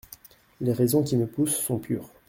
Les raisons qui me poussent sont pures.